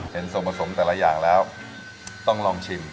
เห็นส่วนผสมแต่ละอย่างแล้วต้องลองชิม